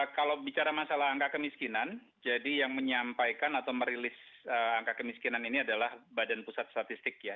kalau bicara masalah angka kemiskinan jadi yang menyampaikan atau merilis angka kemiskinan ini adalah badan pusat statistik ya